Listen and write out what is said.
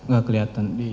gak kelihatan di